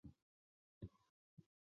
这时它们可以产卵及排精。